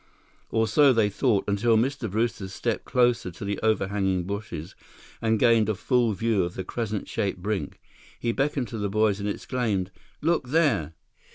Or so they thought, until Mr. Brewster stepped closer to the overhanging bushes and gained a full view of the crescent shaped brink. He beckoned to the boys and exclaimed: "Look there!"